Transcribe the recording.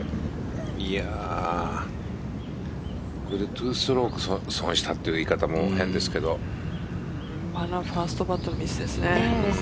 ２ストローク損したという言い方も変ですけどファーストパットのミスですね。